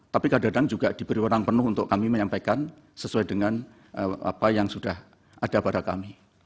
tapi kadang kadang juga diberi orang penuh untuk kami menyampaikan sesuai dengan apa yang sudah ada pada kami